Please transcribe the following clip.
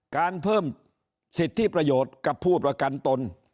การเพิ่มสิทธิประโยชน์กับผู้ประกันตน